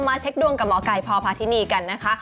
เช็คดวงกับหมอไก่พพาธินีกันนะคะ